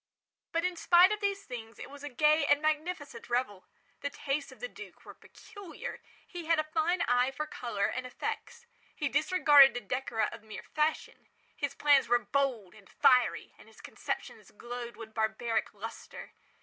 But, in spite of these things, it was a gay and magnificent revel. The tastes of the duke were peculiar. He had a fine eye for colours and effects. He disregarded the decora of mere fashion. His plans were bold and fiery, and his conceptions glowed with barbaric lustre.